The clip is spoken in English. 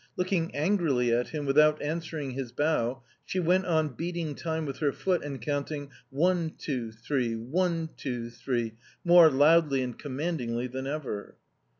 Looking angrily at him without answering his bow, she went on beating time with her foot and counting, "One, two, three one, two, three," more loudly and commandingly than ever.